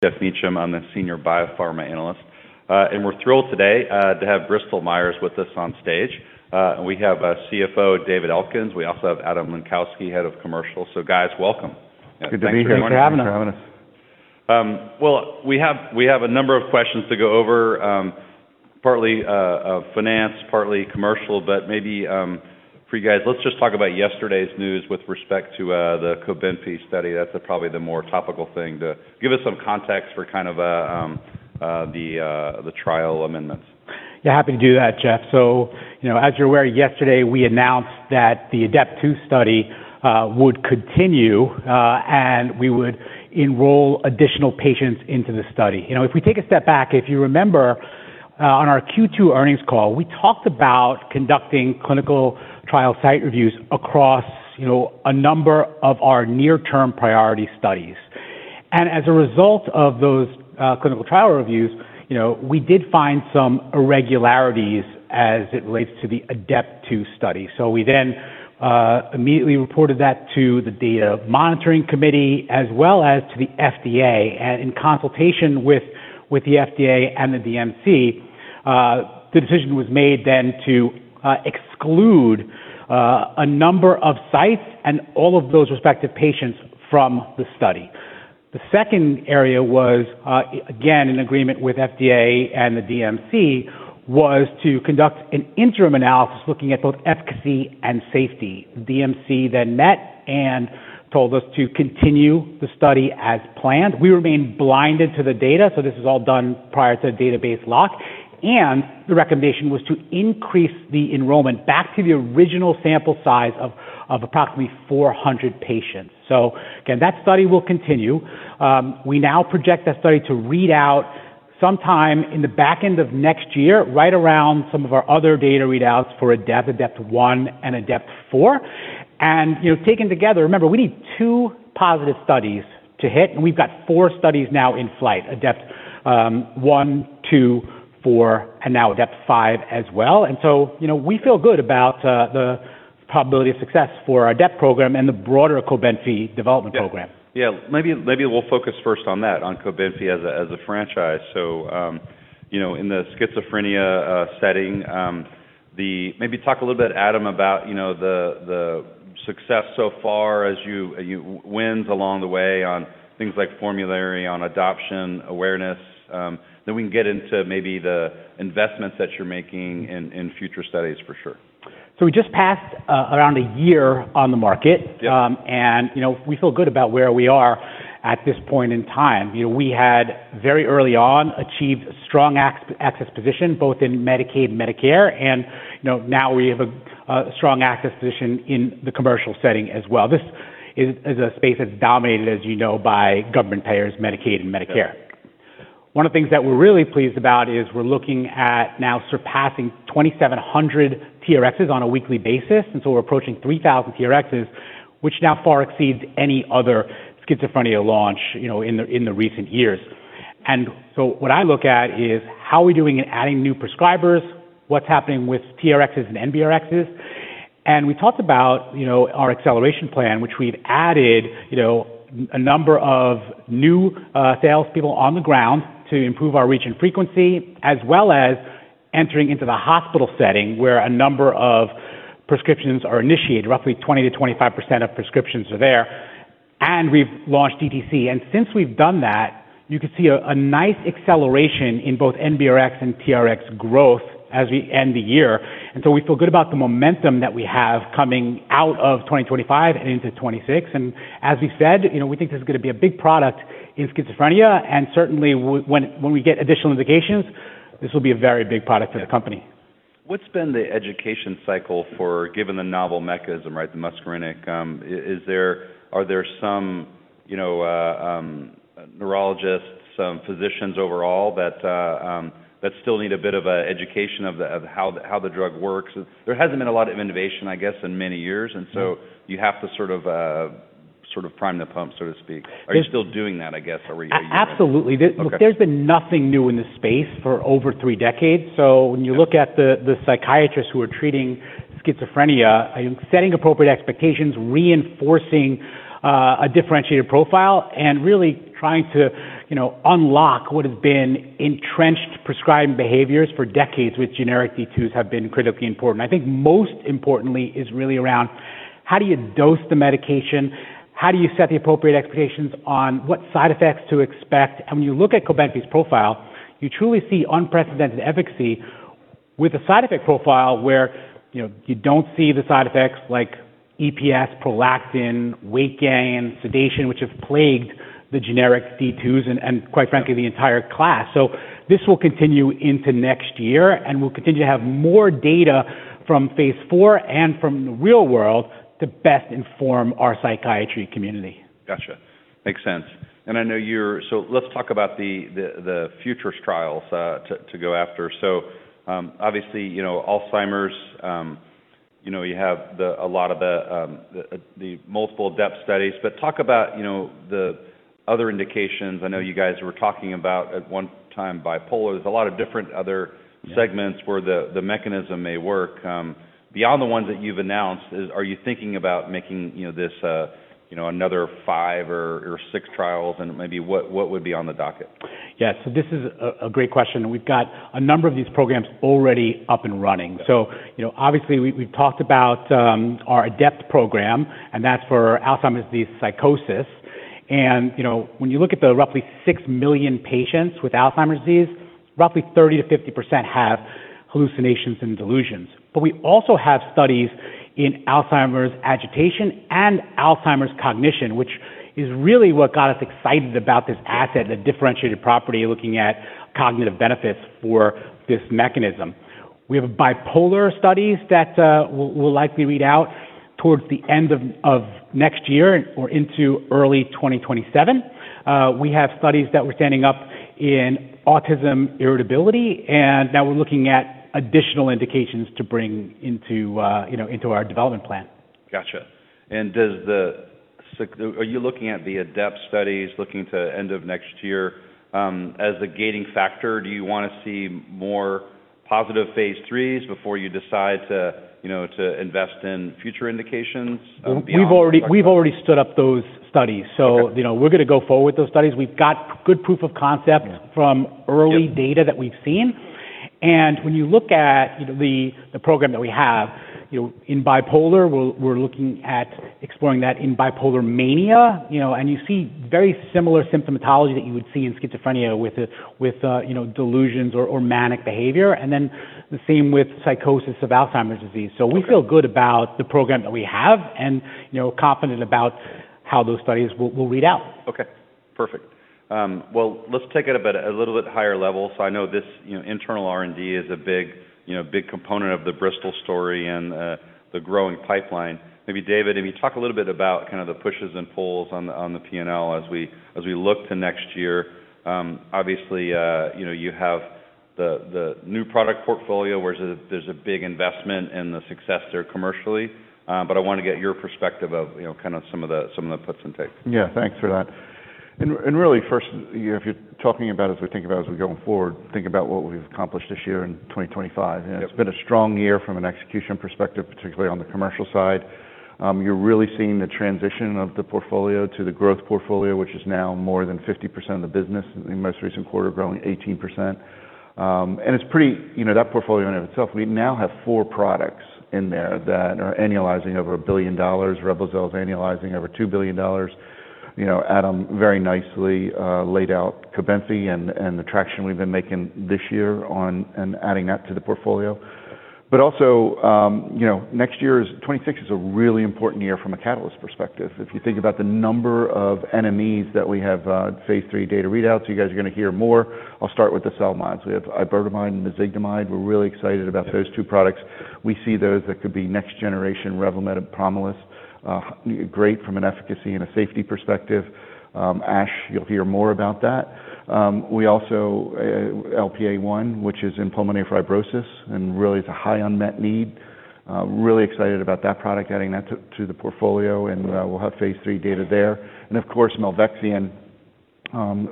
Geoff Meacham, I'm the senior biopharma analyst. We're thrilled today to have Bristol-Myers Squibb with us on stage. We have CFO David Elkins. We also have Adam Lenkowsky, Head of Commercial. So, guys, welcome. Good to be here. Good to be having us. Well, we have a number of questions to go over, partly of finance, partly commercial, but maybe for you guys, let's just talk about yesterday's news with respect to the Cobenfy study. That's probably the more topical thing to give us some context for kind of the trial amendments. Yeah, happy to do that, Geoff. So, you know, as you're aware, yesterday we announced that the ADEPT II study would continue, and we would enroll additional patients into the study. You know, if we take a step back, if you remember, on our Q2 earnings call, we talked about conducting clinical trial site reviews across, you know, a number of our near-term priority studies. And as a result of those clinical trial reviews, you know, we did find some irregularities as it relates to the ADEPT II study. So we then immediately reported that to the Data Monitoring Committee as well as to the FDA. And in consultation with the FDA and the DMC, the decision was made then to exclude a number of sites and all of those respective patients from the study. The second area was, again, in agreement with FDA and the DMC, was to conduct an interim analysis looking at both efficacy and safety. The DMC then met and told us to continue the study as planned. We remained blinded to the data, so this was all done prior to database lock. And the recommendation was to increase the enrollment back to the original sample size of approximately 400 patients. So, again, that study will continue. We now project that study to read out sometime in the back end of next year, right around some of our other data readouts for ADEPT, ADEPT I, and ADEPT IV. And, you know, taken together, remember, we need two positive studies to hit, and we've got four studies now in flight: ADEPT I, II, IV, and now ADEPT V as well. And so, you know, we feel good about the probability of success for our ADEPT program and the broader Cobenfy development program. Yeah, maybe, maybe we'll focus first on that, on Cobenfy as a, as a franchise. So, you know, in the schizophrenia setting, then maybe talk a little bit, Adam, about, you know, the, the success so far as your wins along the way on things like formulary, on adoption, awareness. Then we can get into maybe the investments that you're making in, in future studies for sure. So we just passed around a year on the market. And you know, we feel good about where we are at this point in time. You know, we had very early on achieved a strong access position both in Medicaid and Medicare. And you know, now we have a strong access position in the commercial setting as well. This is a space that's dominated, as you know, by government payers, Medicaid and Medicare. One of the things that we're really pleased about is we're looking at now surpassing 2,700 TRxs on a weekly basis. And so we're approaching 3,000 TRxs, which now far exceeds any other schizophrenia launch, you know, in the recent years. And so what I look at is how are we doing in adding new prescribers, what's happening with TRxs and NBRxs. And we talked about, you know, our acceleration plan, which we've added, you know, a number of new salespeople on the ground to improve our reach and frequency, as well as entering into the hospital setting where a number of prescriptions are initiated, roughly 20%-25% of prescriptions are there. And we've launched DTC. And since we've done that, you could see a nice acceleration in both NBRx and TRx growth as we end the year. And so we feel good about the momentum that we have coming out of 2025 and into 2026. And as we said, you know, we think this is gonna be a big product in schizophrenia. And certainly, when we get additional indications, this will be a very big product for the company. What's been the education cycle for, given the novel mechanism, right, the muscarinic? Are there some, you know, neurologists, some physicians overall that still need a bit of education on how the drug works? There hasn't been a lot of innovation, I guess, in many years. And so you have to sort of prime the pump, so to speak. Are you still doing that, I guess? Are we, are you? Absolutely. Okay. There's been nothing new in this space for over three decades. So when you look at the psychiatrists who are treating schizophrenia, setting appropriate expectations, reinforcing a differentiated profile, and really trying to, you know, unlock what has been entrenched prescribing behaviors for decades with generic D2s have been critically important. I think most importantly is really around how do you dose the medication, how do you set the appropriate expectations on what side effects to expect. And when you look at Cobenfy's profile, you truly see unprecedented efficacy with a side effect profile where, you know, you don't see the side effects like EPS, prolactin, weight gain, sedation, which have plagued the generic D2s and quite frankly, the entire class. So this will continue into next year, and we'll continue to have more data from phase IV and from the real world to best inform our psychiatry community. Gotcha. Makes sense. And I know you're so let's talk about the future trials to go after. So, obviously, you know, Alzheimer's, you know, you have a lot of the multiple ADEPT studies, but talk about, you know, the other indications. I know you guys were talking about at one time bipolar. There's a lot of different other segments where the mechanism may work beyond the ones that you've announced, are you thinking about making, you know, this, you know, another five or six trials and maybe what would be on the docket? Yeah, so this is a great question. We've got a number of these programs already up and running. So, you know, obviously, we've talked about our ADEPT program, and that's for Alzheimer's disease psychosis. And, you know, when you look at the roughly six million patients with Alzheimer's disease, roughly 30%-50% have hallucinations and delusions. But we also have studies in Alzheimer's agitation and Alzheimer's cognition, which is really what got us excited about this asset, the differentiated property looking at cognitive benefits for this mechanism. We have bipolar studies that we'll likely read out towards the end of next year or into early 2027. We have studies that we're standing up in Autism irritability, and now we're looking at additional indications to bring into, you know, our development plan. Gotcha. And are you looking at the ADEPT studies looking to end of next year, as a gating factor? Do you wanna see more positive phase IIIs before you decide to, you know, to invest in future indications beyond? We've already stood up those studies. So, you know, we're gonna go forward with those studies. We've got good proof of concept. Yeah. From early data that we've seen, and when you look at, you know, the program that we have, you know, in bipolar, we're looking at exploring that in bipolar mania, you know, and you see very similar symptomatology that you would see in schizophrenia with, you know, delusions or manic behavior, and then the same with psychosis of Alzheimer's disease. So we feel good about the program that we have and, you know, confident about how those studies will read out. Okay. Perfect. Well, let's take it a bit, a little bit higher level so I know this, you know, internal R&D is a big, you know, big component of the Bristol story and the growing pipeline. Maybe David, if you talk a little bit about kind of the pushes and pulls on the P&L as we, as we look to next year. Obviously, you know, you have the new product portfolio where there's a big investment in the success there commercially, but I want to get your perspective of, you know, kind of some of the, some of the puts and takes. Yeah, thanks for that. And, and really first, you know, if you're talking about as we think about as we go forward, think about what we've accomplished this year in 2025. It's been a strong year from an execution perspective, particularly on the commercial side. You're really seeing the transition of the portfolio to the growth portfolio, which is now more than 50% of the business in the most recent quarter, growing 18%. And it's pretty, you know, that portfolio in and of itself, we now have four products in there that are annualizing over $1 billion. Reblozyl is annualizing over $2 billion. You know, Adam, very nicely, laid out Cobenfy and, and the traction we've been making this year on and adding that to the portfolio. But also, you know, next year is 2026 is a really important year from a catalyst perspective. If you think about the number of NMEs that we have, phase III data readouts, you guys are gonna hear more. I'll start with the CELMoDs. We have iberdomide and mezigdomide. We're really excited about those two products. We see those that could be next generation Revlimid and Pomalyst, great from an efficacy and a safety perspective. ASH, you'll hear more about that. We also have LPA1, which is in pulmonary fibrosis and really is a high unmet need. We're really excited about that product, adding that to the portfolio, and we'll have phase III data there. Of course, milvexian,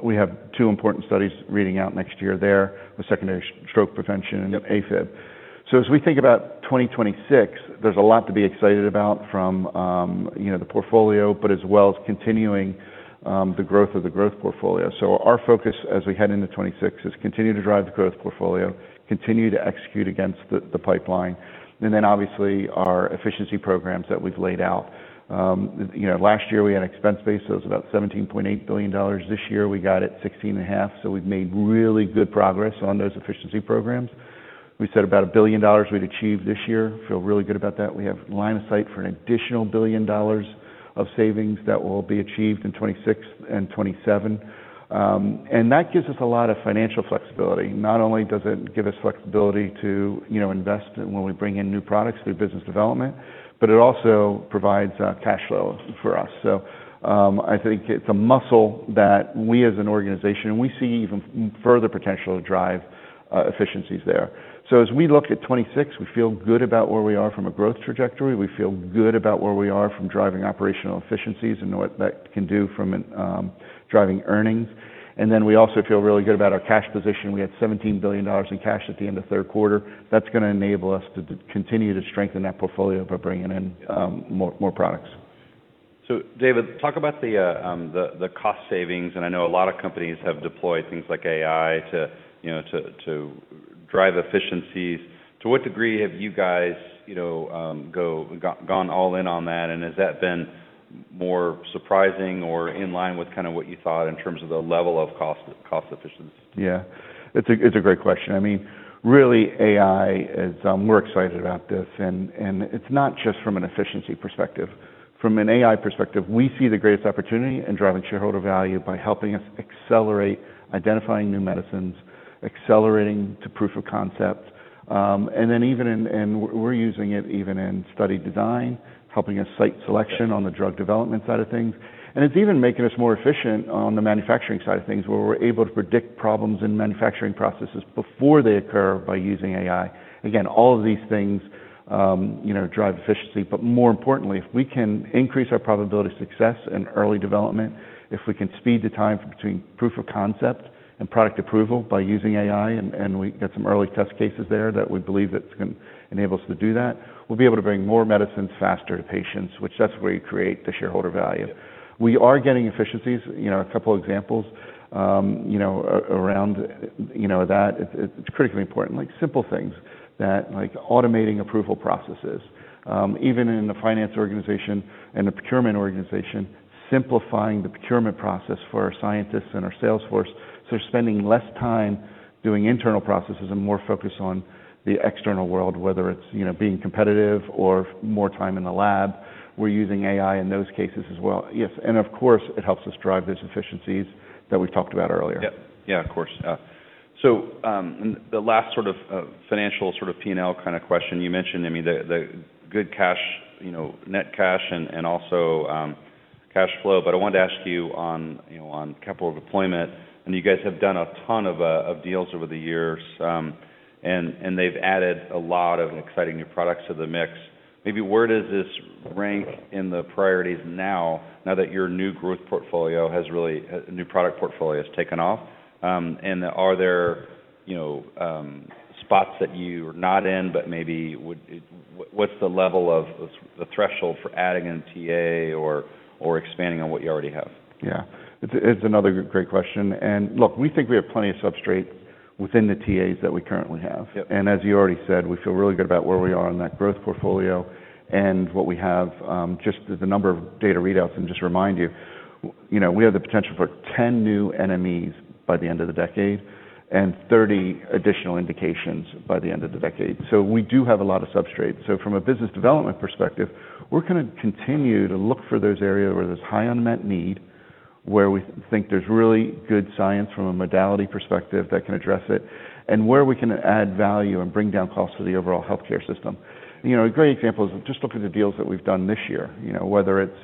we have two important studies reading out next year there with secondary stroke prevention anbd AFib. As we think about 2026, there's a lot to be excited about from, you know, the portfolio, but as well as continuing the growth of the growth portfolio. Our focus as we head into 2026 is continue to drive the growth portfolio, continue to execute against the pipeline. Then obviously our efficiency programs that we've laid out. You know, last year we had expense base. It was about $17.8 billion. This year we got it $16.5 billion. So we've made really good progress on those efficiency programs. We said about $1 billion we'd achieve this year. Feel really good about that. We have line of sight for an additional $1 billion of savings that will be achieved in 2026 and 2027, and that gives us a lot of financial flexibility. Not only does it give us flexibility to, you know, invest when we bring in new products through business development, but it also provides cash flow for us. So, I think it's a muscle that we as an organization, and we see even further potential to drive efficiencies there. So as we look at 2026, we feel good about where we are from a growth trajectory. We feel good about where we are from driving operational efficiencies and what that can do from an driving earnings. And then we also feel really good about our cash position. We had $17 billion in cash at the end of third quarter. That's gonna enable us to continue to strengthen that portfolio by bringing in more products. David, talk about the cost savings. And I know a lot of companies have deployed things like AI to, you know, to drive efficiencies. To what degree have you guys, you know, gone all in on that? And has that been more surprising or in line with kind of what you thought in terms of the level of cost efficiency? Yeah. It's a great question. I mean, really, AI is. We're excited about this. And it's not just from an efficiency perspective. From an AI perspective, we see the greatest opportunity in driving shareholder value by helping us accelerate identifying new medicines, accelerating to proof of concept. And then even in, we're using it even in study design, helping us site selection on the drug development side of things. And it's even making us more efficient on the manufacturing side of things where we're able to predict problems in manufacturing processes before they occur by using AI. Again, all of these things, you know, drive efficiency. But more importantly, if we can increase our probability of success in early development, if we can speed the time between proof of concept and product approval by using AI, and we got some early test cases there that we believe that's gonna enable us to do that, we'll be able to bring more medicines faster to patients, which, that's where you create the shareholder value. We are getting efficiencies, you know, a couple examples, you know, around, you know, that it's critically important, like simple things that like automating approval processes, even in a finance organization and a procurement organization, simplifying the procurement process for our scientists and our salesforce, so spending less time doing internal processes and more focus on the external world, whether it's, you know, being competitive or more time in the lab. We're using AI in those cases as well. Yes, and of course, it helps us drive those efficiencies that we've talked about earlier. Yep. Yeah, of course. So, the last sort of financial sort of P&L kind of question you mentioned, I mean, the good cash, you know, net cash and also cash flow. But I wanted to ask you on, you know, on capital deployment. I mean, you guys have done a ton of deals over the years, and they've added a lot of exciting new products to the mix. Maybe where does this rank in the priorities now, now that your new growth portfolio has really new product portfolio has taken off? And are there, you know, spots that you are not in, but maybe would it what's the level of the threshold for adding in TA or expanding on what you already have? Yeah. It's another great question. And look, we think we have plenty of substrate within the TAs that we currently have. Yep. And as you already said, we feel really good about where we are on that growth portfolio and what we have, just the number of data readouts. And just remind you, you know, we have the potential for 10 new NMEs by the end of the decade and 30 additional indications by the end of the decade. So we do have a lot of substrate. So from a business development perspective, we're gonna continue to look for those areas where there's high unmet need, where we think there's really good science from a modality perspective that can address it, and where we can add value and bring down costs to the overall healthcare system. You know, a great example is just look at the deals that we've done this year, you know, whether it's,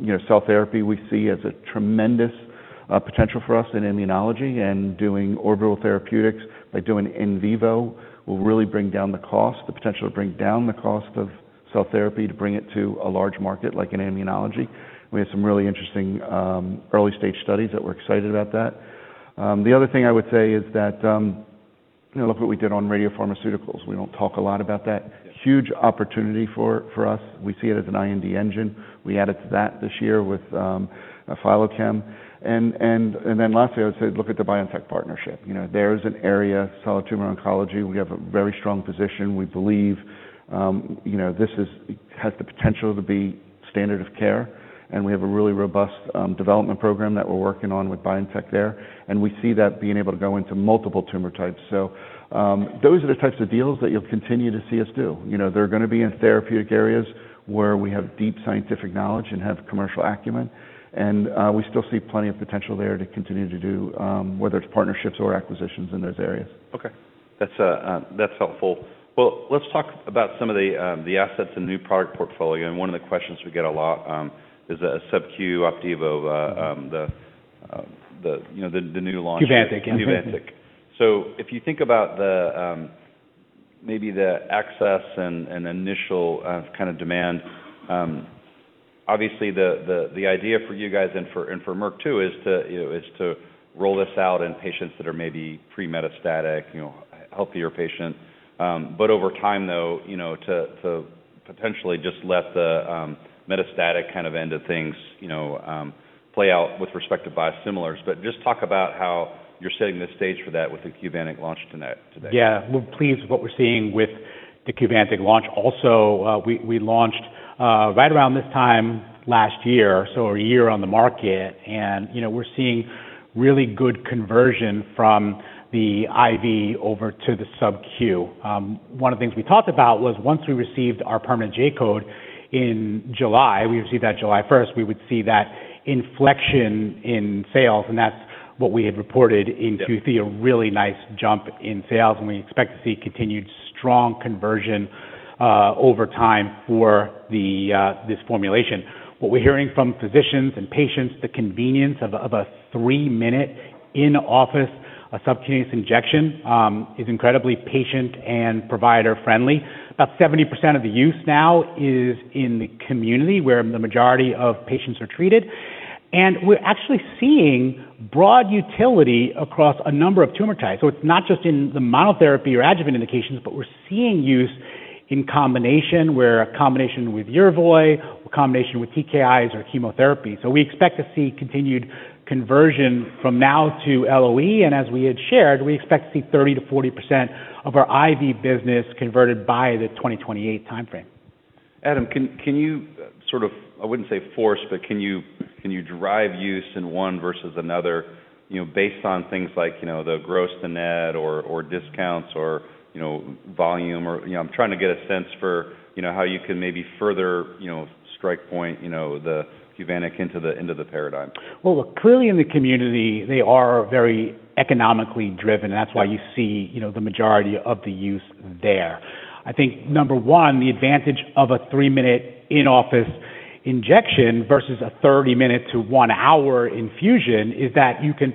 you know, cell therapy we see as a tremendous potential for us in immunology and doing Orbital Therapeutics by doing in vivo will really bring down the cost, the potential to bring down the cost of cell therapy to bring it to a large market like in immunology. We have some really interesting early stage studies that we're excited about that. The other thing I would say is that, you know, look what we did on radiopharmaceuticals. We don't talk a lot about that. Yes. Huge opportunity for us. We see it as an IND engine. We added to that this year with a Philochem. And then lastly, I would say look at the BioNTech partnership. You know, there's an area, solid tumor oncology. We have a very strong position. We believe, you know, this has the potential to be standard of care. And we have a really robust development program that we're working on with BioNTech there. And we see that being able to go into multiple tumor types. So, those are the types of deals that you'll continue to see us do. You know, there are gonna be in therapeutic areas where we have deep scientific knowledge and have commercial acumen. And we still see plenty of potential there to continue to do, whether it's partnerships or acquisitions in those areas. Okay. That's helpful. Well, let's talk about some of the assets and new product portfolio. And one of the questions we get a lot is a sub-Q Opdivo, you know, the new launch. Qvantig. Qvantig. So if you think about the maybe access and initial kind of demand, obviously the idea for you guys and for Merck too is to, you know, roll this out in patients that are maybe pre-metastatic, you know, healthier patient. But over time though, you know, to potentially just let the metastatic kind of end of things, you know, play out with respect to biosimilars. But just talk about how you're setting the stage for that with the Qvantig launch tonight today. Yeah. We're pleased with what we're seeing with the Qvantig launch. Also, we launched right around this time last year, so a year on the market. And, you know, we're seeing really good conversion from the IV over to the sub-Q. One of the things we talked about was once we received our permanent J-code in July, we received that July 1st, we would see that inflection in sales. And that's what we had reported in Q3, a really nice jump in sales. And we expect to see continued strong conversion over time for this formulation. What we're hearing from physicians and patients, the convenience of a three-minute in-office subcutaneous injection, is incredibly patient and provider-friendly. About 70% of the use now is in the community where the majority of patients are treated. And we're actually seeing broad utility across a number of tumor types. So it's not just in the monotherapy or adjuvant indications, but we're seeing use in combination where a combination with Yervoy, a combination with TKIs or chemotherapy. So we expect to see continued conversion from now to LOE. And as we had shared, we expect to see 30%-40% of our IV business converted by the 2028 timeframe. Adam, can you sort of, I wouldn't say force, but can you drive use in one versus another, you know, based on things like, you know, the gross to net or discounts or, you know, volume or, you know, I'm trying to get a sense for, you know, how you can maybe further, you know, strike point, you know, the Qvantig into the paradigm? Clearly in the community, they are very economically driven. That's why you see, you know, the majority of the use there. I think number one, the advantage of a three-minute in-office injection versus a 30-minute to one-hour infusion is that you can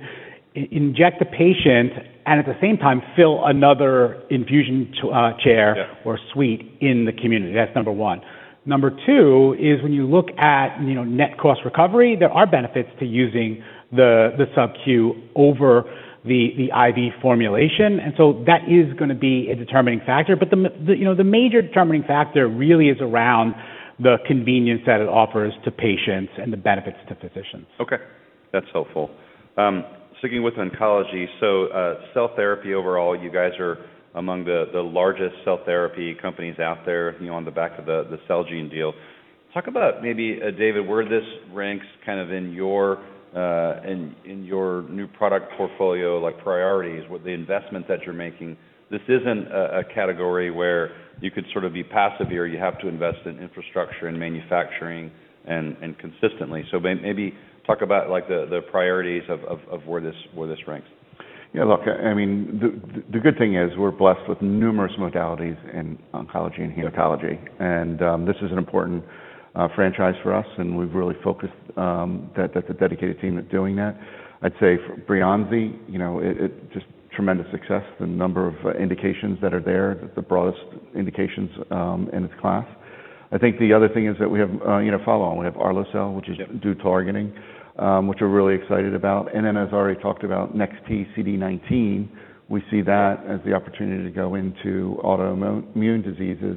inject the patient and at the same time fill another infusion chair. Yeah. Or suite in the community. That's number one. Number two is when you look at, you know, net cost recovery, there are benefits to using the sub-Q over the IV formulation. And so that is gonna be a determining factor. But the, you know, the major determining factor really is around the convenience that it offers to patients and the benefits to physicians. Okay. That's helpful. Sticking with oncology, so, cell therapy overall, you guys are among the largest cell therapy companies out there, you know, on the back of the Celgene deal. Talk about maybe, David, where this ranks kind of in your new product portfolio, like priorities, what the investment that you're making. This isn't a category where you could sort of be passive here. You have to invest in infrastructure and manufacturing and consistently. So maybe talk about like the priorities of where this ranks. Yeah. Look, I mean, the good thing is we're blessed with numerous modalities in oncology and hematology. This is an important franchise for us. We've really focused that the dedicated team at doing that. I'd say Breyanzi, you know, it just tremendous success, the number of indications that are there, the broadest indications in its class. I think the other thing is that we have, you know, follow-on, we have allo cell, which is IO targeting, which we're really excited about. And then, as I already talked about, NEX-T CD19, we see that as the opportunity to go into autoimmune diseases.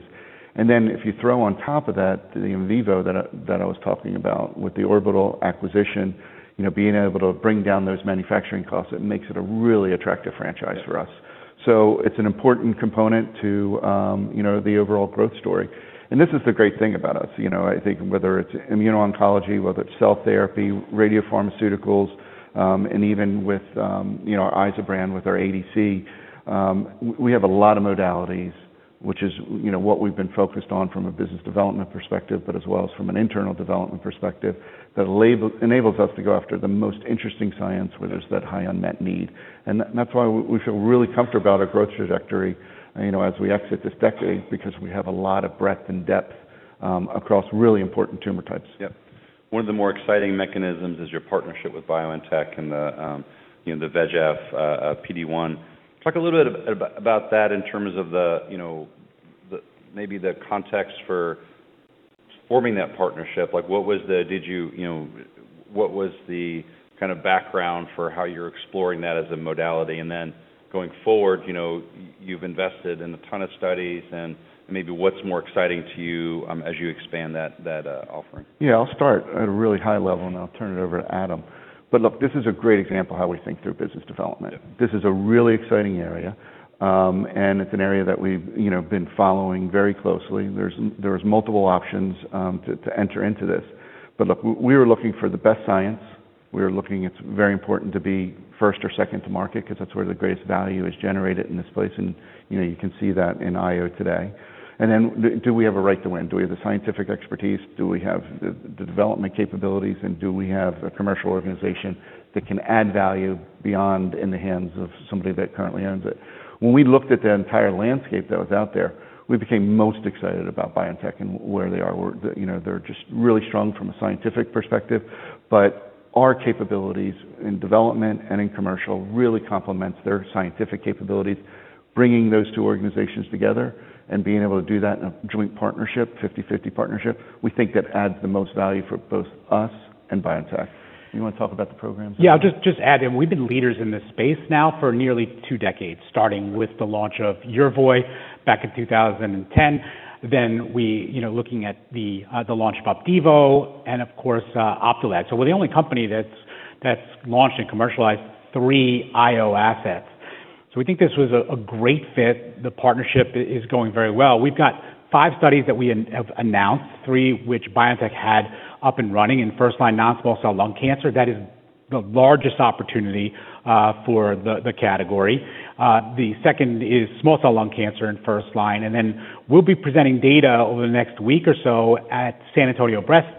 And then if you throw on top of that the in vivo that I was talking about with the Orbital Therapeutics acquisition, you know, being able to bring down those manufacturing costs, it makes it a really attractive franchise for us. So it's an important component to, you know, the overall growth story. This is the great thing about us, you know, I think whether it's immuno-oncology, whether it's cell therapy, radiopharmaceuticals, and even with, you know, our iza-bren with our ADC, we have a lot of modalities, which is, you know, what we've been focused on from a business development perspective, but as well as from an internal development perspective that enables us to go after the most interesting science where there's that high unmet need. That's why we feel really comfortable about our growth trajectory, you know, as we exit this decade because we have a lot of breadth and depth across really important tumor types. Yep. One of the more exciting mechanisms is your partnership with BioNTech and the, you know, the VEGF, PD-1. Talk a little bit about that in terms of the, you know, the maybe the context for forming that partnership. Like what was the, did you, you know, what was the kind of background for how you're exploring that as a modality? And then going forward, you know, you've invested in a ton of studies and maybe what's more exciting to you, as you expand that offering? Yeah. I'll start at a really high level and I'll turn it over to Adam. But look, this is a great example of how we think through business development. This is a really exciting area, and it's an area that we've, you know, been following very closely. There's multiple options to enter into this. But look, we were looking for the best science. We were looking. It's very important to be first or second to market 'cause that's where the greatest value is generated in this place. And, you know, you can see that in IO today. And then do we have a right to win? Do we have the scientific expertise? Do we have the development capabilities? And do we have a commercial organization that can add value beyond in the hands of somebody that currently owns it? When we looked at the entire landscape that was out there, we became most excited about c and where they are. We're, you know, they're just really strong from a scientific perspective. But our capabilities in development and in commercial really complement their scientific capabilities, bringing those two organizations together and being able to do that in a joint partnership, 50/50 partnership. We think that adds the most value for both us and BioNTech. You wanna talk about the programs? Yeah. I'll just add in we've been leaders in this space now for nearly two decades, starting with the launch of Yervoy back in 2010. Then we, you know, looking at the launch of Opdivo and of course, Opdualag. So we're the only company that's launched and commercialized three IO assets. So we think this was a great fit. The partnership is going very well. We've got five studies that we have announced, three which BioNTech had up and running in first line non-small cell lung cancer. That is the largest opportunity for the category. The second is small cell lung cancer in first line. And then we'll be presenting data over the next week or so at San Antonio Breast Cancer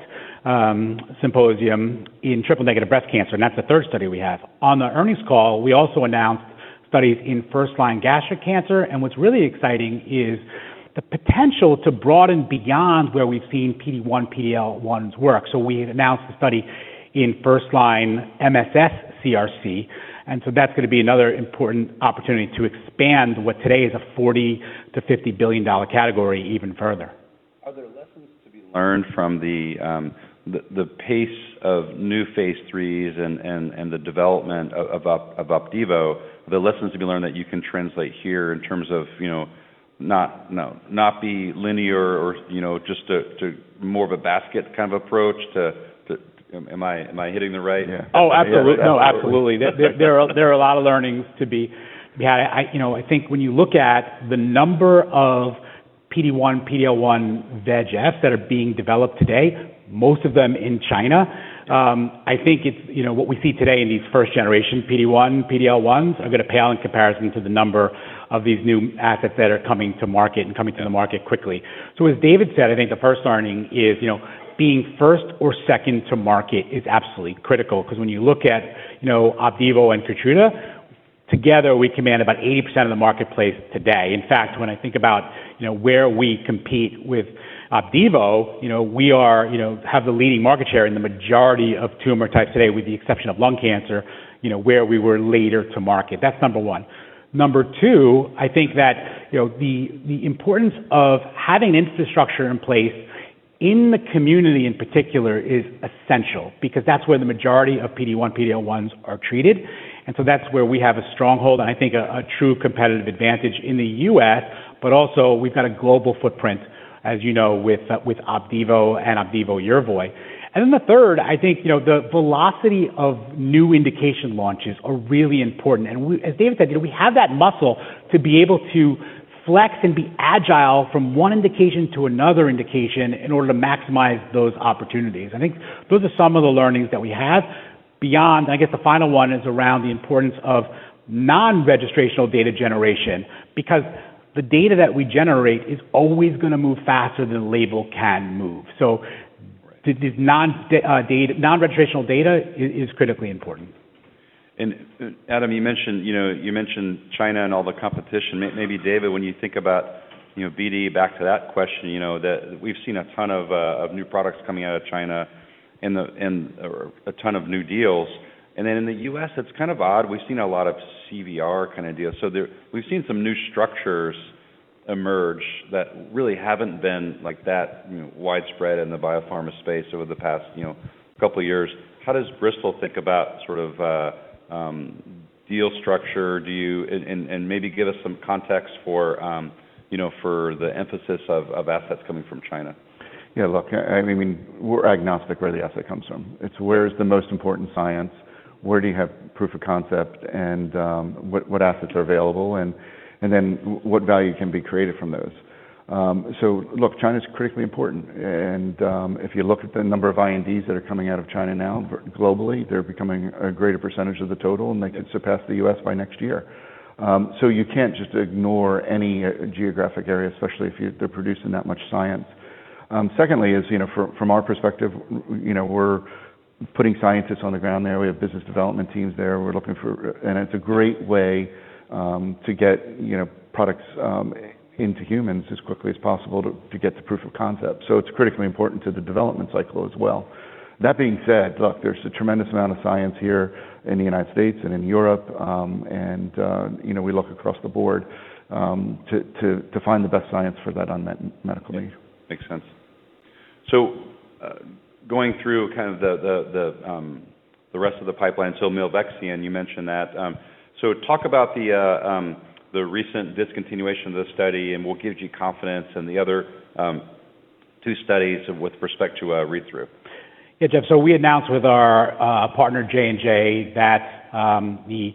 Symposium in triple negative breast cancer and that's the third study we have. On the earnings call, we also announced studies in first-line gastric cancer. And what's really exciting is the potential to broaden beyond where we've seen PD-1, PD-L1s work. So we announced a study in first-line MSS CRC. And so that's gonna be another important opportunity to expand what today is a $40-$50 billion category even further. Are there lessons to be learned from the pace of new phase IIIs and the development of Opdivo? The lessons to be learned that you can translate here in terms of, you know, not be linear or, you know, just to more of a basket kind of approach to, am I hitting the right? Yeah. Oh, absolutely. No, absolutely. There are a lot of learnings to be. Yeah. I, you know, I think when you look at the number of PD-1, PD-L1 VEGF that are being developed today, most of them in China, I think it's, you know, what we see today in these first generation PD--1, PDL1s are gonna pale in comparison to the number of these new assets that are coming to market and coming to the market quickly. So as David said, I think the first learning is, you know, being first or second to market is absolutely critical. Beause when you look at, you know, Opdivo and Keytruda together, we command about 80% of the marketplace today. In fact, when I think about, you know, where we compete with Opdivo, you know, we are, you know, have the leading market share in the majority of tumor types today with the exception of lung cancer, you know, where we were later to market. That's number one. Number two, I think that, you know, the importance of having infrastructure in place in the community in particular is essential because that's where the majority of PD-1, PD-L1s are treated. And so that's where we have a stronghold and I think a true competitive advantage in the U.S., but also we've got a global footprint, as you know, with Opdivo and Yervoy. And then the third, I think, you know, the velocity of new indication launches are really important. We, as David said, you know, we have that muscle to be able to flex and be agile from one indication to another indication in order to maximize those opportunities. I think those are some of the learnings that we have. Beyond, I guess the final one is around the importance of non-registrational data generation because the data that we generate is always gonna move faster than the label can move. So these non-registrational data is critically important. Adam, you mentioned, you know, you mentioned China and all the competition. Maybe David, when you think about, you know, BD, back to that question, you know, that we've seen a ton of new products coming out of China and, or a ton of new deals. And then in the U.S., it's kind of odd. We've seen a lot of CVR kind of deals. So there we've seen some new structures emerge that really haven't been like that, you know, widespread in the biopharma space over the past, you know, couple of years. How does Bristol think about sort of deal structure? Do you and maybe give us some context for, you know, for the emphasis of assets coming from China? Yeah. Look, I mean, we're agnostic where the asset comes from. It's where the most important science is, where do you have proof of concept, and what assets are available, and then what value can be created from those. So look, China's critically important. And if you look at the number of INDs that are coming out of China now globally, they're becoming a greater percentage of the total, and they could surpass the U.S. by next year. So you can't just ignore any geographic area, especially if they're producing that much science. Secondly, you know, from our perspective, we you know, we're putting scientists on the ground there. We have business development teams there. We're looking for, and it's a great way to get you know, products into humans as quickly as possible to get the proof of concept. So it's critically important to the development cycle as well. That being said, look, there's a tremendous amount of science here in the United States and in Europe. And, you know, we look across the board to find the best science for that unmet medical need. Makes sense. So, going through kind of the rest of the pipeline, so milvexian, you mentioned that. So talk about the recent discontinuation of this study and we'll give you confidence and the other two studies with respect to a read-through. Yeah, Geoff. So we announced with our partner J&J that the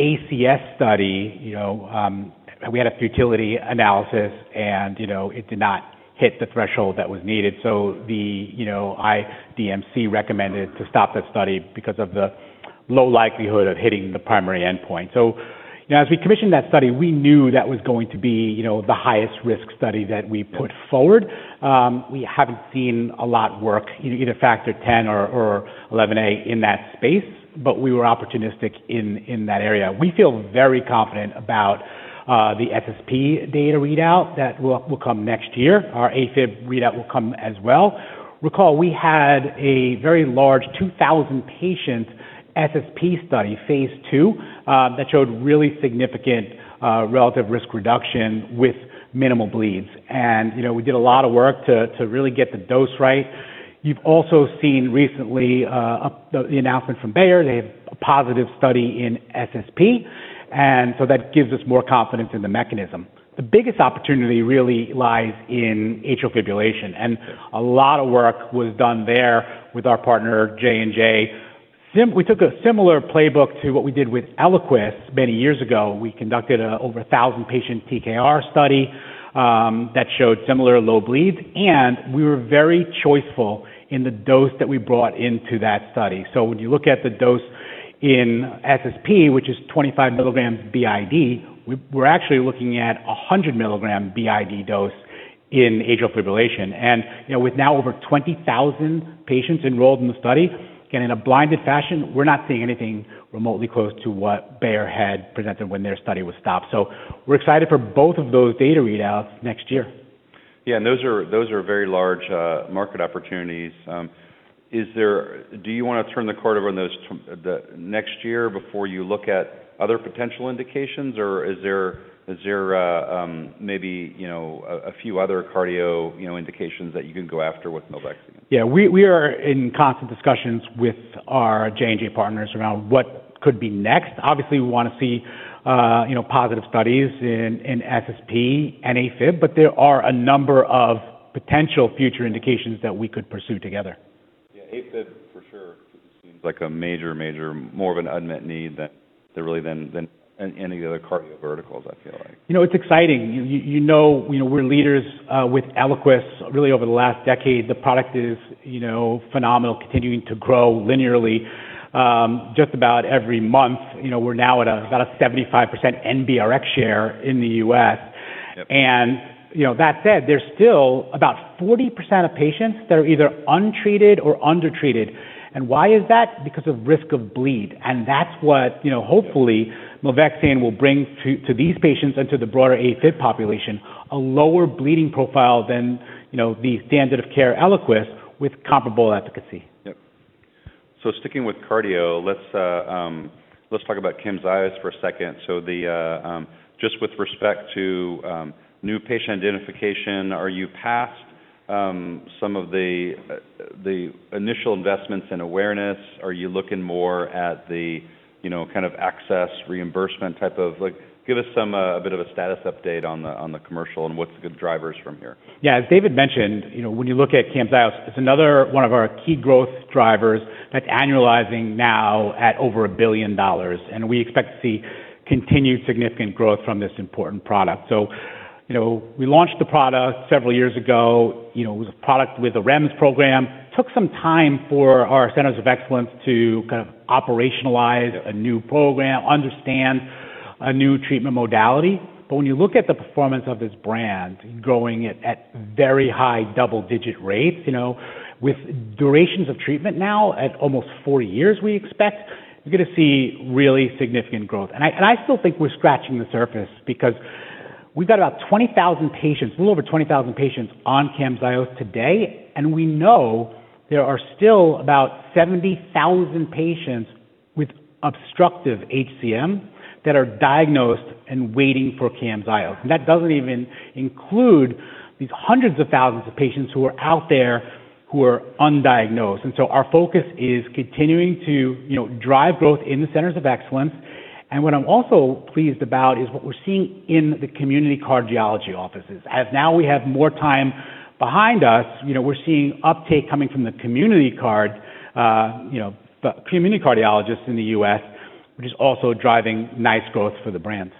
ACS study, you know, we had a futility analysis and, you know, it did not hit the threshold that was needed. So, you know, IDMC recommended to stop the study because of the low likelihood of hitting the primary endpoint. So, you know, as we commissioned that study, we knew that was going to be, you know, the highest risk study that we put forward. We haven't seen a lot of work, you know, either Factor 10 or 11A in that space, but we were opportunistic in that area. We feel very confident about the SSP data readout that will come next year. Our AFib readout will come as well. Recall we had a very large 2,000-patient SSP study, phase II, that showed really significant relative risk reduction with minimal bleeds. You know, we did a lot of work to really get the dose right. You've also seen, recently, the announcement from Bayer. They have a positive study in SSP. That gives us more confidence in the mechanism. The biggest opportunity really lies in atrial fibrillation. A lot of work was done there with our partner J&J, so we took a similar playbook to what we did with Eliquis many years ago. We conducted an over 1,000-patient TKR study that showed similar low bleeds. We were very choiceful in the dose that we brought into that study. When you look at the dose in SSP, which is 25 mg bid, we're actually looking at a 100 mg bid dose in atrial fibrillation. You know, with now over 20,000 patients enrolled in the study, again, in a blinded fashion, we're not seeing anything remotely close to what Bayer had presented when their study was stopped. We're excited for both of those data readouts next year. Yeah. And those are, those are very large market opportunities. Is there, do you wanna turn the card over on those in the next year before you look at other potential indications or is there, maybe, you know, a few other cardio, you know, indications that you can go after with milvexian? Yeah. We are in constant discussions with our J&J partners around what could be next. Obviously, we wanna see, you know, positive studies in SSP and AFib, but there are a number of potential future indications that we could pursue together. Yeah. AFib for sure seems like a major, major, more of an unmet need than really any other cardio verticals, I feel like. You know, it's exciting. You know, we're leaders with Eliquis really over the last decade. The product is, you know, phenomenal, continuing to grow linearly. Just about every month, you know, we're now at about a 75% NBRx share in the U.S. Yep. You know, that said, there's still about 40% of patients that are either untreated or undertreated. Why is that? Because of risk of bleed. That's what, you know, hopefully milvexian will bring to these patients and to the broader AFib population, a lower bleeding profile than, you know, the standard of care Eliquis with comparable efficacy. Yep. So sticking with cardio, let's talk about Camzyos for a second. So just with respect to new patient identification, are you past some of the initial investments in awareness? Are you looking more at the, you know, kind of access reimbursement type of, like, give us some a bit of a status update on the commercial and what's the drivers from here? Yeah. As David mentioned, you know, when you look at Camzyos, it's another one of our key growth drivers that's annualizing now at over $1 billion. And we expect to see continued significant growth from this important product. So, you know, we launched the product several years ago. You know, it was a product with a REMS program. Took some time for our Centers of Excellence to kind of operationalize a new program, understand a new treatment modality. But when you look at the performance of this brand, growing it at very high double-digit rates, you know, with durations of treatment now at almost 40 years, we expect you're gonna see really significant growth. And I, and I still think we're scratching the surface because we've got about 20,000 patients, a little over 20,000 patients on Camzyos today. And we know there are still about 70,000 patients with obstructive HCM that are diagnosed and waiting for Camzyos. And that doesn't even include these hundreds of thousands of patients who are out there who are undiagnosed. And so our focus is continuing to, you know, drive growth in the centers of excellence. And what I'm also pleased about is what we're seeing in the community cardiology offices. As now we have more time behind us, you know, we're seeing uptake coming from the community cardiologists in the U.S., which is also driving nice growth for the brand.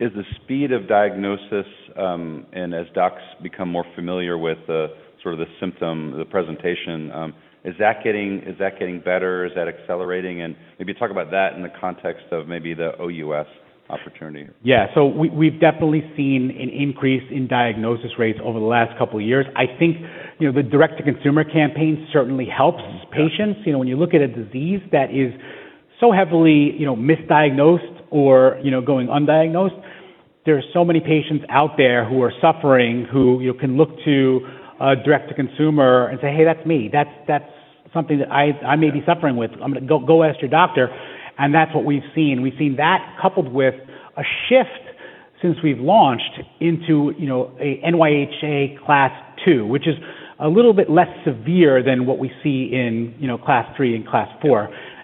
Is the speed of diagnosis, and as docs become more familiar with the sort of symptom, the presentation, is that getting, is that getting better? Is that accelerating? And maybe talk about that in the context of maybe the OUS opportunity. Yeah. So we, we've definitely seen an increase in diagnosis rates over the last couple of years. I think, you know, the direct-to-consumer campaign certainly helps patients. You know, when you look at a disease that is so heavily, you know, misdiagnosed or, you know, going undiagnosed, there are so many patients out there who are suffering, who, you know, can look to a direct-to-consumer and say, "Hey, that's me. That's, that's something that I, I may be suffering with. I'm gonna go, go ask your doctor." And that's what we've seen. We've seen that coupled with a shift since we've launched into, you know, a NYHA class II, which is a little bit less severe than what we see in, you know, class III and class IV.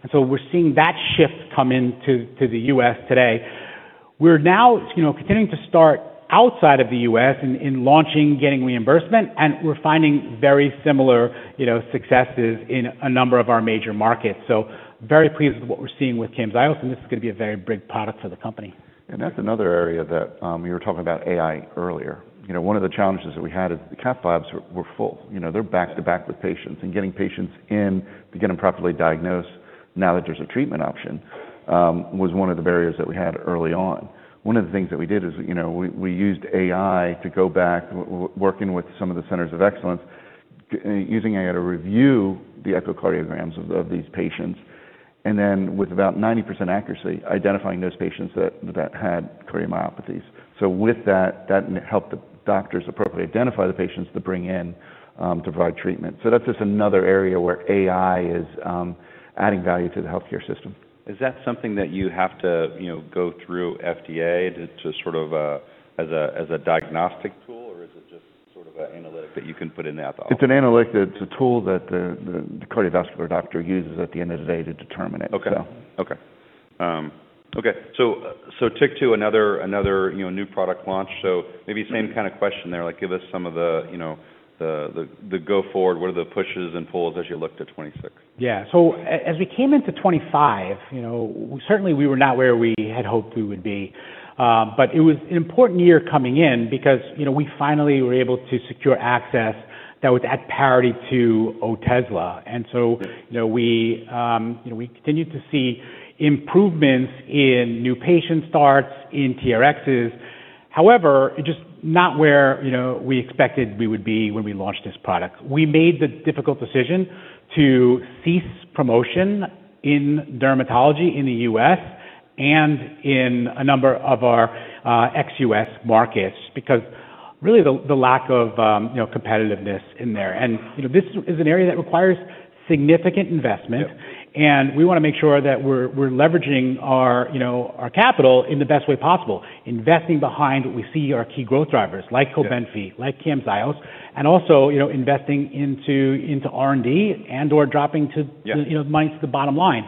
And so we're seeing that shift come into the U.S. today. We're now, you know, continuing to start outside of the U.S. in launching, getting reimbursement, and we're finding very similar, you know, successes in a number of our major markets, so very pleased with what we're seeing with Camzyos, and this is gonna be a very big product for the company. And that's another area that, we were talking about AI earlier. You know, one of the challenges that we had is the cath labs were full. You know, they're back to back with patients and getting patients in to get them properly diagnosed now that there's a treatment option, was one of the barriers that we had early on. One of the things that we did is, you know, we used AI to go back working with some of the centers of excellence, using AI to review the echocardiograms of these patients and then with about 90% accuracy identifying those patients that had cardiomyopathies. So with that, that helped the doctors appropriately identify the patients to bring in, to provide treatment. So that's just another area where AI is adding value to the healthcare system. Is that something that you have to, you know, go through FDA to, to sort of, as a, as a diagnostic tool, or is it just sort of an analytic that you can put in the app? It's an analytic. It's a tool that the cardiovascular doctor uses at the end of the day to determine it. Okay. Okay. So, stick to another, you know, new product launch. Maybe same kind of question there. Like, give us some of the, you know, the go-forward. What are the pushes and pulls as you look to 2026? Yeah. So as we came into 2025, you know, we certainly were not where we had hoped we would be. But it was an important year coming in because, you know, we finally were able to secure access that was at parity to Otezla. And so, you know, we, you know, we continued to see improvements in new patient starts, in TRxs. However, just not where, you know, we expected we would be when we launched this product. We made the difficult decision to cease promotion in dermatology in the U.S. and in a number of our XUS markets because really the lack of, you know, competitiveness in there. And, you know, this is an area that requires significant investment. Yep. We wanna make sure that we're leveraging our, you know, our capital in the best way possible, investing behind what we see are key growth drivers like Cobenfy, like Camzyos, and also, you know, investing into R&D and/or dropping to. Yep. You know, money to the bottom line.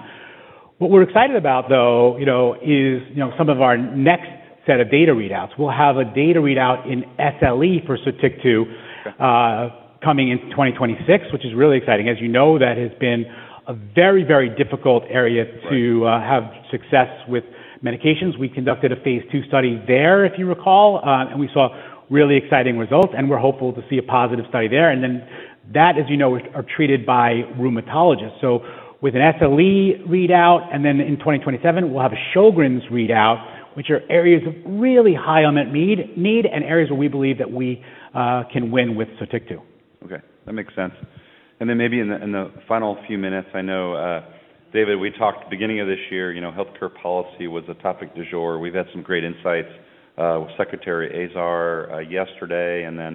What we're excited about though, you know, is, you know, some of our next set of data readouts. We'll have a data readout in SLE for Sotyktu. Okay. Coming in 2026, which is really exciting. As you know, that has been a very, very difficult area to have success with medications. We conducted a phase II study there, if you recall, and we saw really exciting results, and we're hopeful to see a positive study there. And then that, as you know, are treated by rheumatologists. So with an SLE readout, and then in 2027, we'll have a Sjögren's readout, which are areas of really high unmet need and areas where we believe that we can win with Sotyktu. Okay. That makes sense. And then maybe in the final few minutes, I know, David, we talked at the beginning of this year, you know, healthcare policy was a topic du jour. We've had some great insights, with Secretary Azar, yesterday, and then,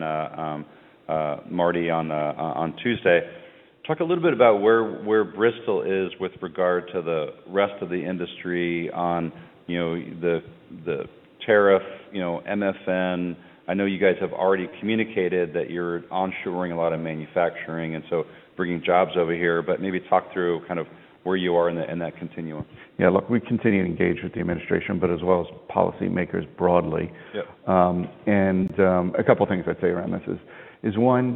Marty on Tuesday. Talk a little bit about where Bristol is with regard to the rest of the industry on, you know, the tariff, you know, MFN. I know you guys have already communicated that you're onshoring a lot of manufacturing and so bringing jobs over here. But maybe talk through kind of where you are in that continuum. Yeah. Look, we continue to engage with the administration, but as well as policymakers broadly. Yep. And a couple of things I'd say around this is one.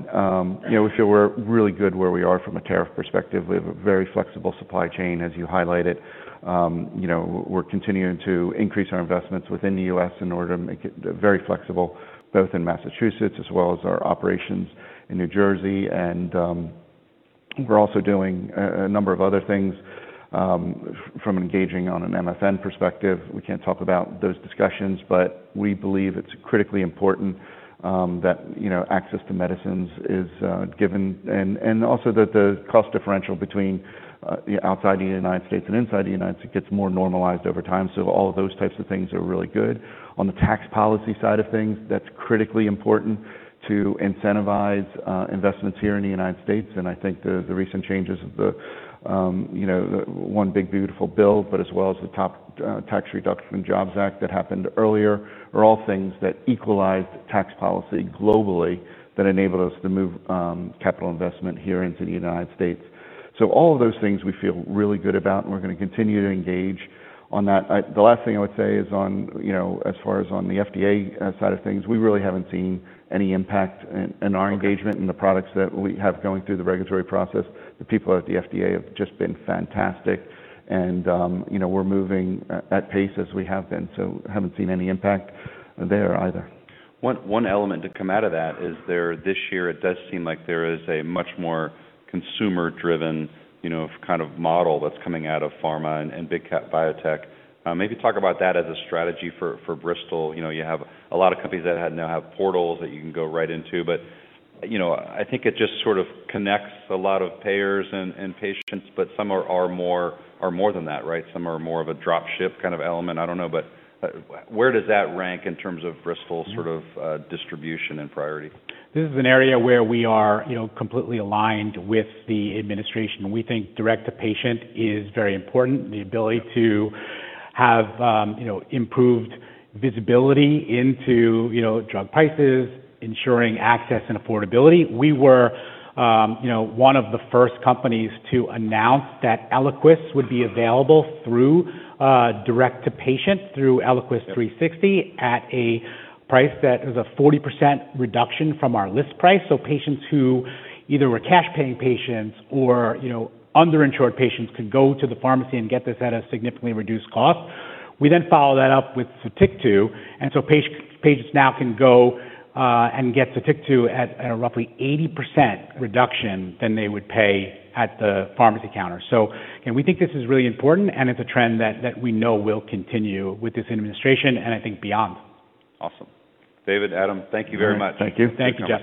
You know, if you were really good where we are from a tariff perspective, we have a very flexible supply chain, as you highlighted. You know, we're continuing to increase our investments within the U.S. in order to make it very flexible, both in Massachusetts as well as our operations in New Jersey. And we're also doing a number of other things, from engaging on an MFN perspective. We can't talk about those discussions, but we believe it's critically important that you know, access to medicines is given. And also that the cost differential between outside the United States and inside the United States it gets more normalized over time. So all of those types of things are really good. On the tax policy side of things, that's critically important to incentivize investments here in the United States. I think the recent changes of, you know, the One Big Beautiful Bill, as well as the Tax Cuts and Jobs Act that happened earlier are all things that equalized tax policy globally that enabled us to move capital investment here into the United States. All of those things we feel really good about, and we're gonna continue to engage on that. The last thing I would say is, you know, as far as on the FDA side of things, we really haven't seen any impact in our engagement in the products that we have going through the regulatory process. The people at the FDA have just been fantastic, and, you know, we're moving at pace as we have been, so haven't seen any impact there either. One element to come out of that is there this year. It does seem like there is a much more consumer-driven, you know, kind of model that's coming out of pharma and big cap biotech. Maybe talk about that as a strategy for Bristol. You know, you have a lot of companies that now have portals that you can go right into. But you know, I think it just sort of connects a lot of payers and patients, but some are more than that, right? Some are more of a dropship kind of element. I don't know, but where does that rank in terms of Bristol's sort of distribution and priority? This is an area where we are, you know, completely aligned with the administration. We think direct-to-patient is very important, the ability to have, you know, improved visibility into, you know, drug prices, ensuring access and affordability. We were, you know, one of the first companies to announce that Eliquis would be available through direct-to-patient through Eliquis 360 at a price that is a 40% reduction from our list price. So patients who either were cash-paying patients or, you know, underinsured patients could go to the pharmacy and get this at a significantly reduced cost. We then follow that up with Sotyktu. And so patients now can go and get Sotyktu at a roughly 80% reduction than they would pay at the pharmacy counter. So, and we think this is really important, and it's a trend that we know will continue with this administration and I think beyond. Awesome. David, Adam, thank you very much. Thank you. Thank you.